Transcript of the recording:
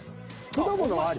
果物あり？